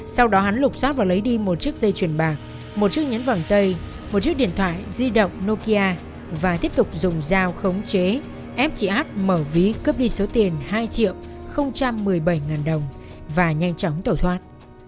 sau đó hắn lục xót và lấy đi một chiếc dây chuyển bạc một chiếc nhấn vòng tay một chiếc điện thoại di động nokia và tiếp tục dùng dao khống chế ép chị hát mở ví cướp đi số tiền hai triệu một mươi bảy ngàn đồng và nhanh chóng tẩu thoát